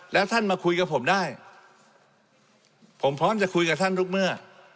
แล้วท่านมาคุยกับผมได้ผมพร้อมจะคุยกับท่านทุกเมื่อ